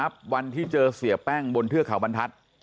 คือถ้านับวันที่เจอเสียแป้งบนเทือข่าวบรรทัศน์